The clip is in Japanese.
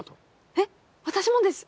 えっ私もです。